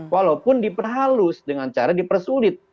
walaupun diperhalus dengan cara dipersulit